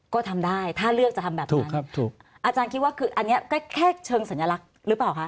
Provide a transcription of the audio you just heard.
ก็ทำได้ถ้าเลือกจะทำแบบนั้นอาจารย์คิดว่าคืออันนี้ก็แค่เชิงสัญลักษณ์หรือเปล่าคะ